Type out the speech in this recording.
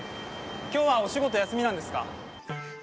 今日はお仕事、休みなんですか？